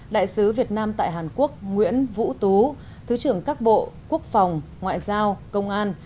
đại sứ việt nam tại hàn quốc nguyễn vũ tú thứ trưởng các bộ quốc phòng ngoại giao công an